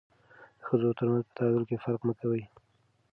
د ښځو ترمنځ په تعامل کې فرق مه کوئ.